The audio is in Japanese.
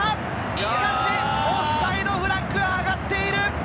しかし、オフサイドフラッグが上がっている！